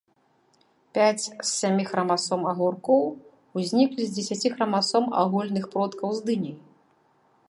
Пяць з сямі храмасом агуркоў узніклі з дзесяці храмасом агульных продкаў з дыняй.